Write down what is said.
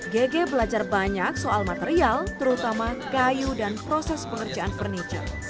gg belajar banyak soal material terutama kayu dan proses pengerjaan furniture